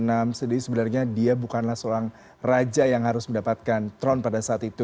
jadi sebenarnya dia bukanlah seorang raja yang harus mendapatkan throne pada saat itu